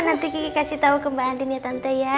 nanti kiki kasih tau ke mbak andin ya tante ya